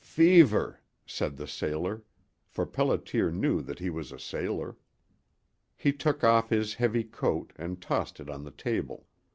"Fever," said the sailor; for Pelliter knew that he was a sailor. He took off his heavy coat and tossed it on the table.